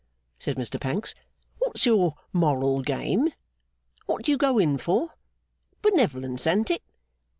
said Mr Pancks. 'What's your moral game? What do you go in for? Benevolence, an't it?